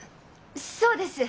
そうです。